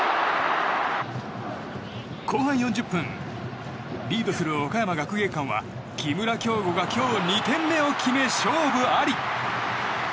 後半４０分リードする岡山学芸館は木村匡吾が今日２点目を決め勝負あり。